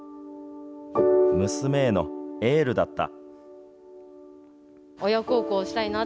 娘へのエールだった。